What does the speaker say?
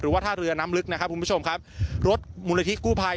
หรือว่าท่าเรือน้ำลึกนะครับรถมูลภิกษ์กู่ภัย